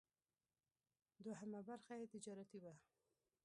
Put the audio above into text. دوهمه برخه یې تجارتي وه.